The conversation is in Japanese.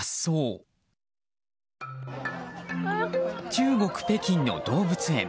中国・北京の動物園。